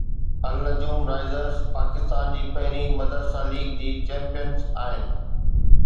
النجوم Risers Pakistan جي پهرين مدرسه ليگ جي چيمپيئن آهن